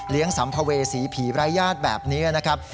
เลี้ยงสัมภเวษีผีไร้ญาติแบบนี้นะครับ